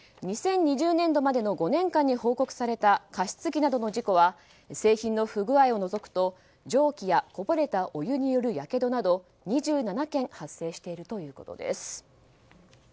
２０２０年度までの５年間に報告された加湿器などの事故は製品の不具合を除くと蒸気や、こぼれたお湯によるやけどなど、２７件が発生しているということです。